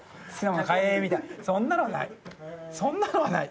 そんなのはない。